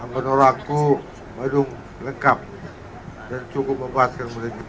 menurut aku madung lengkap dan cukup memuaskan mulia kita